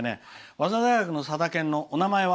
早稲田大学のさだ研のお名前は？